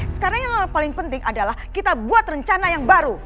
sekarang yang paling penting adalah kita buat rencana yang baru